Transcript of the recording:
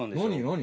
何？